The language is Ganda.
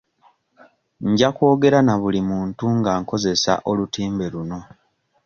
Nja kwogera na buli muntu nga nkozesa olutimbe luno.